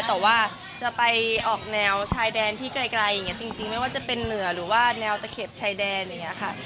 แต่ว่าจะไปออกแนวชายแดนที่ไกลอย่างนี้จริงไม่ว่าจะเป็นเหนือหรือว่าแนวตะเข็บชายแดนอย่างนี้ค่ะ